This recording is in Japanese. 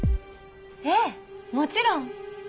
ええもちろん。